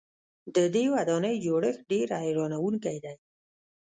د دې ودانۍ جوړښت ډېر حیرانوونکی دی.